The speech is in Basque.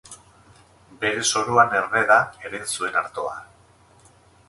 Bere soroan erne da erein zuen artoa.